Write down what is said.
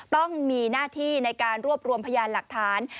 ต้องมีหน้าที่ในการรวบรวมพยานหลักฐาน